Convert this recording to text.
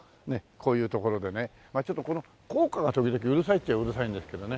こういう所でねまあちょっとこの高架が時々うるさいっちゃうるさいんですけどね